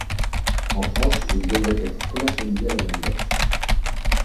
En France, il devrait être commercialisé à la même date.